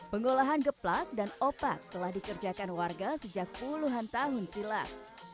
pengolahan geplak dan opak telah dikerjakan warga sejak puluhan tahun silam